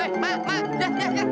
eh mak mak